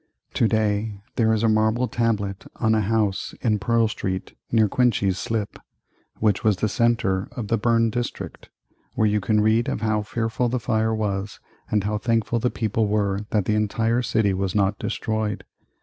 To day there is a marble tablet on a house in Pearl Street near Coenties Slip, which was the centre of the burned district, where you can read of how fearful the fire was and how thankful the people were that the entire city was not destroyed.